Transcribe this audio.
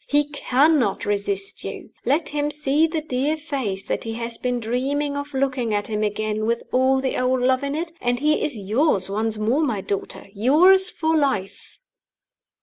He cannot resist you. Let him see the dear face that he has been dreaming of looking at him again with all the old love in it, and he is yours once more, my daughter yours for life."